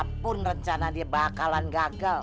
apapun rencana dia bakalan gagal